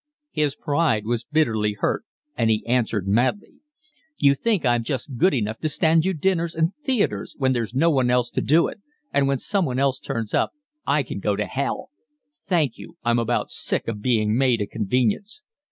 His pride was bitterly hurt, and he answered madly. "You think I'm just good enough to stand you dinners and theatres when there's no one else to do it, and when someone else turns up I can go to hell. Thank you, I'm about sick of being made a convenience."